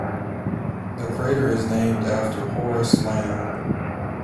The crater is named after Horace Lamb.